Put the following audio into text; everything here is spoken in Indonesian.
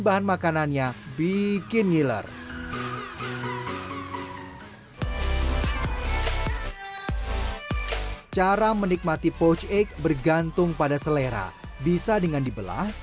bahan makanannya bikin ngiler cara menikmati pouch egg bergantung pada selera bisa dengan dibelah